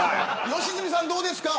良純さんどうですか。